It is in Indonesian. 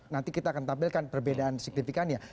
nanti kita akan tampilkan perbedaan signifikannya